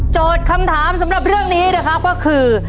โจทย์คำถามสำหรับเรื่องนี้นะครับว่าคือ